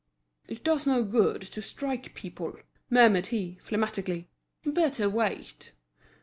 "It does no good to strike people," murmured he, phlegmatically; "better wait."